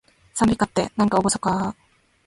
讃美歌って、なんかおごそかー